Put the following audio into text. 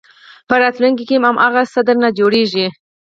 په راتلونکي کې هم هماغه څه درنه جوړېږي.